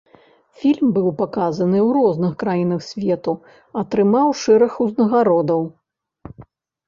Фільм быў паказаны ў розных краінах свету, атрымаў шэраг узнагародаў.